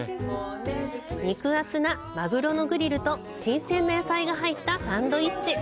肉厚なマグロのグリルと新鮮な野菜が入ったサンドイッチ。